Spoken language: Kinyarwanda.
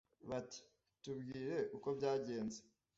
bati : tubwire uko byagenze?